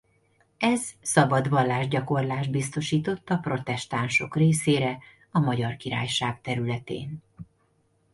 Ez szabad vallásgyakorlást biztosított a protestánsok részére a Magyar Királyság területén.